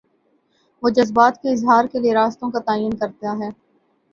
وہ جذبات کے اظہار کے لیے راستوں کا تعین کرتا ہے۔